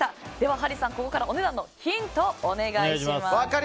ハリーさん、ここからお値段のヒントをお願いします。